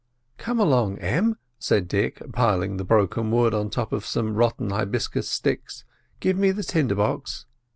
"Come along, Em," said Dick, piling the broken wood on top of some rotten hibiscus sticks; "give me the tinder box."